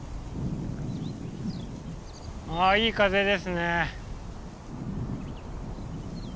ああいい風ですね。